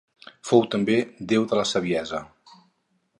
Fou també déu de la saviesa.